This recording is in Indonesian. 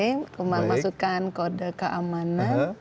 saya cuma masukkan kode keamanan